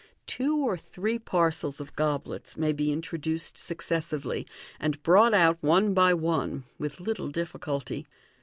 Two or three parcels of goblets may be introduced successively, and brought out one by one, with little difficulty.